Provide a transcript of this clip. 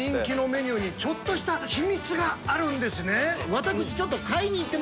私。